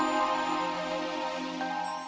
boleh tanya tanya jangan kekaitannya saya